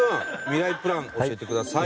ミライプラン教えてください。